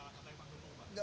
itu gimana pak